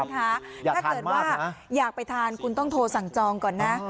ถ้าเกิดว่าอยากไปทานคุณต้องโทรสั่งจองก่อนนะ